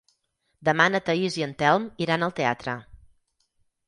Demà na Thaís i en Telm iran al teatre.